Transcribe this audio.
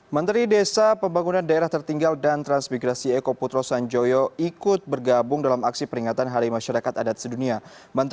menteri desa pembangunan daerah tertinggal dan transmigrasi eko putro sanjoyo ikut bergabung dalam aksi peringatan hari masyarakat adat sedunia